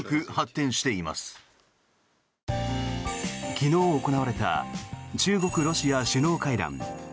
昨日行われた中国・ロシア首脳会談。